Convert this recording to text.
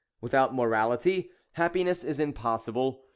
Without morality, happiness is impossible.